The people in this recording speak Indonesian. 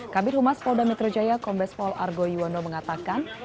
kabir humas polda metro jaya kombes pol argo yuwono mengatakan